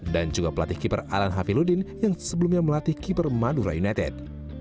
dan juga pelatih keeper alan haviludin yang sebelumnya melatih keeper madura united